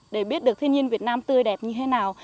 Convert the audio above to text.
để biết được thiên nhiên việt nam tươi đẹp như thế nào